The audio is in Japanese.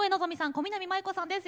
小南満佑子さんです。